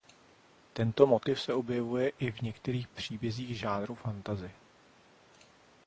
Tento motiv se objevuje i v některých příbězích žánru fantasy.